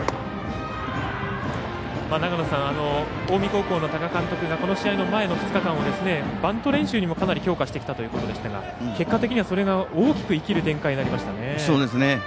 近江高校の多賀監督がこの試合の前の２日間をバント練習にもかなり強化してきたということですが結果的にはそれが大きく生きる展開になりましたね。